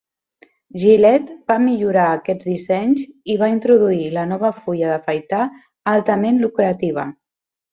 Gillette va millorar aquests dissenys i va introduir la nova fulla d'afaitar altament lucrativa.